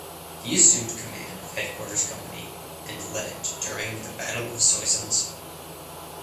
He assumed command of Headquarters Company and led it during the Battle of Soissons.